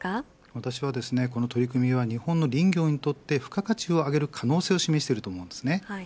私はこの取り組みは日本の林業にとって付加価値を上げる可能性を示していると思うんですね。